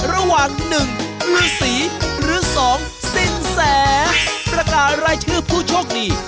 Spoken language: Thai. ระหว่างหนึ่งหรือสี่หรือสองสิ้นแสประกาศรายชื่อผู้โชคดี